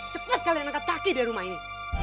cepat kalian angkat kaki dari rumah ini